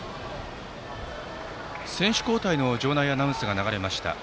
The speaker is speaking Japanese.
選手交代の場内アナウンスが流れました。